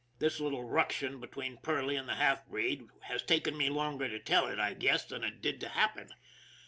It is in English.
This little ruction between Perley and the half breed has taken me longer to tell it, I guess, than it did to happen.